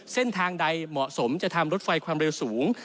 เส้นทางใดเหมาะสมจะทำรถไฟความเร็วสูง